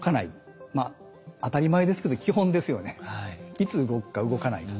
いつ動くか動かないか。